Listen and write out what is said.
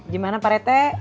gimana pak rete